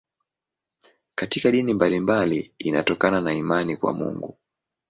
Katika dini mbalimbali inatokana na imani kwa Mungu.